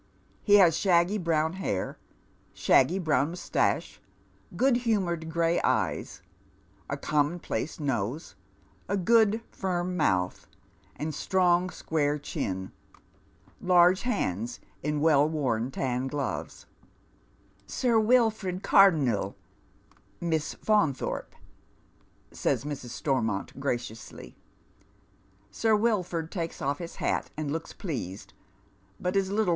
He has shaggy brown hair, shaggy brown moustache, good humoured gray eyes, a common piaoe nose, a goo"i. firm mouth, and strong square chin, large hands in weli wom taji gloves, " Sir TVilford Cardonnel, Miss Faunthorpe," saj Mrs. Stormoot, graoio'jslv. Sir V\ ilf ord takes off his hat and looks pleased, but is little w